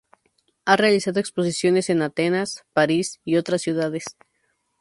Ha realizado exposiciones en Atenas, París y otras ciudades.